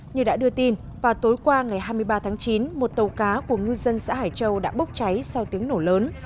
như đã đưa tin vào tối qua ngày hai mươi ba tháng chín một tàu cá của ngư dân xã hải châu đã bốc cháy sau tiếng nổ lớn